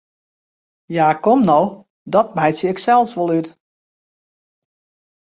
Ja, kom no, dat meitsje ik sels wol út!